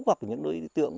hoặc những đối tượng